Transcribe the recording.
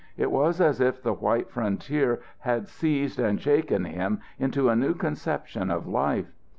It was as if the white frontier had seized and shaken him into a new conception of life.